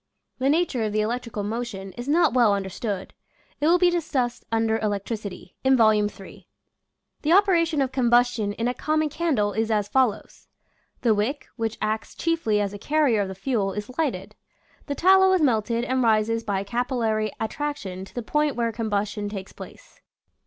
(The nature of the electrical motion is not well understood. It will be discussed un der Electricity, in Volume III.) The operation of combustion in a common candle is as follows: The wick, which acts chiefly as a carrier of the fuel, is lighted; the tallow is melted and rises by capillary at traction to the point where combustion takes place.